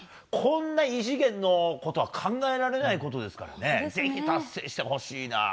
こんな異次元のこと考えられないことですからぜひ、達成してほしいな。